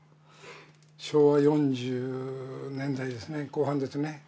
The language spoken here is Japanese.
昭和４０年代ですね後半ですね。